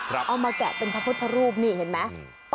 เอามาแกะเป็นพระพุทธรูปนี่เห็นไหม